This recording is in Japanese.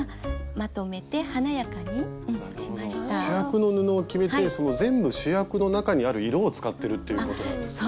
主役の布を決めて全部主役の中にある色を使ってるということなんですね。